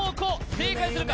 正解するか？